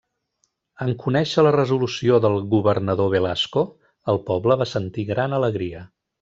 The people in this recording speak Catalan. En conèixer la resolució del governador Velasco, el poble va sentir gran alegria.